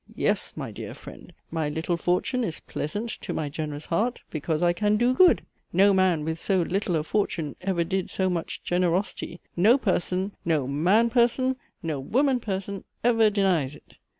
Yes, my dear friend; my little fortune is pleasant to my generous heart, because I can do good no man with so little a fortune ever did so much generosity no person no man person, no woman person ever denies it.